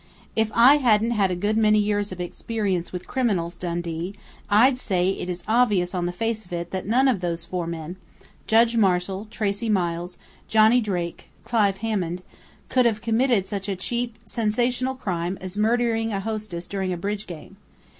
"If I hadn't had a good many years of experience with criminals, Dundee, I'd say it is obvious on the face of it that none of those four men Judge Marshall, Tracey Miles, Johnny Drake, Clive Hammond could have committed such a cheap, sensational crime as murdering a hostess during a bridge game....